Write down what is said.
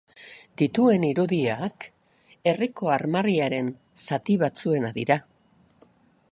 Dituen irudiak herriko armarriaren zati batzuena dira.